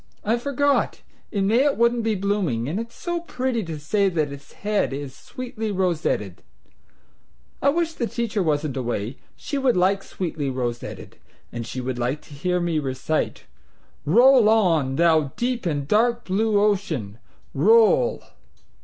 I forgot; in May it wouldn't be blooming, and it's so pretty to say that its head is 'sweetly rosetted'... I wish the teacher wasn't away; she would like 'sweetly rosetted,' and she would like to hear me recite 'Roll on, thou deep and dark blue ocean, roll!'